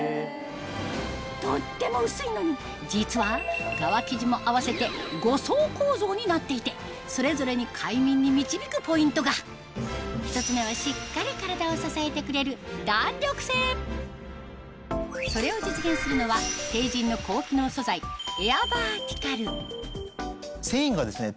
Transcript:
とっても薄いのに実は側生地も合わせて５層構造になっていてそれぞれに快眠に導くポイントが１つ目はそれを実現するのはＴＥＩＪＩＮの繊維がですね